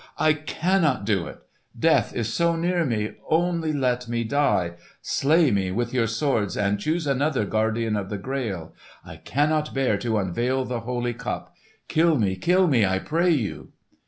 I cannot do it! Death is so near me, only let me die! slay me with your swords and choose another Guardian of the Grail! I cannot bear to unveil the Holy Cup! Kill me, kill me, I pray you!"